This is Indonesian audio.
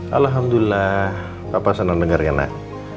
alhamdulillah papa seneng dengarnya nak